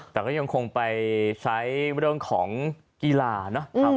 แต่ก็ยังคงไปใช้เรื่องของกีฬาเนาะ